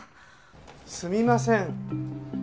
すみません。